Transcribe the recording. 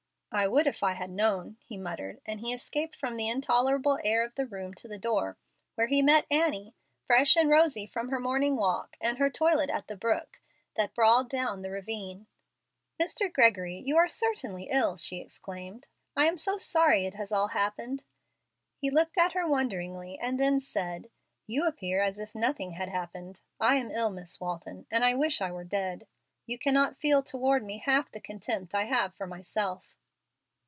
"I would if I had known," he muttered, and he escaped from the intolerable air of the room to the door, where he met Annie, fresh and rosy from her morning walk and her toilet at the brook that brawled down the ravine. "Mr. Gregory, you are certainly ill," she exclaimed. "I am so sorry it has all happened!" He looked at her wonderingly, and then said, "You appear as if nothing had happened. I am ill, Miss Walton, and I wish I were dead. You can not feel toward me half the contempt I have for myself."